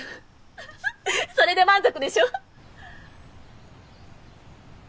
フフッそれで満足でしょ？